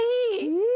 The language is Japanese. うん！